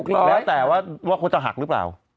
แล้วแต่ว่าว่าเขาจะหักรึเปล่า